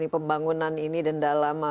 pembangunan ini dan dalam